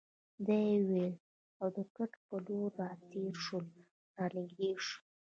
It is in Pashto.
دا یې وویل او د کټ په لور راتېره شول، را نږدې شوه.